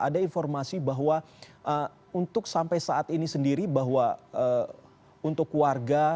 ada informasi bahwa untuk sampai saat ini sendiri bahwa untuk warga